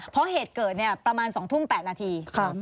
เพราะเหตุเกิดประมาณ๒ทุ่ม๘นาที